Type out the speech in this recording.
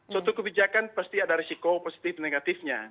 suatu kebijakan pasti ada risiko positif dan negatifnya